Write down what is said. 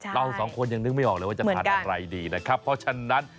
เราสองคนยังนึกไม่ออกเลยว่าจะทานอะไรดีนะครับเพราะฉะนั้น